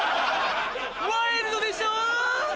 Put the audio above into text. ワイルドでしょ？